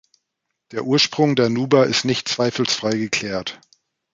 Der Ursprung der Nuba ist nicht zweifelsfrei geklärt.